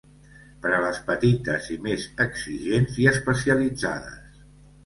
Per a les petites i més exigents i especialitzades.